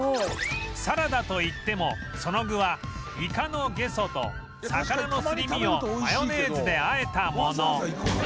サラダと言ってもその具はイカのゲソと魚のすり身をマヨネーズであえたもの